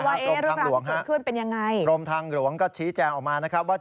โรมทางหลวงฮะโรมทางหลวงก็ชี้แจงออกมานะครับว่า